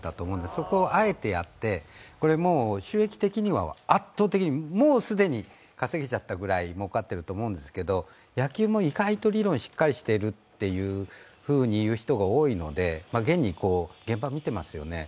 そこをあえてやって、収益的には圧倒的に、もう既に稼げちゃったぐらい儲かっていると思うんですけど野球も意外と理論がしっかりしていると言う人が多いので現に現場を見ていますよね。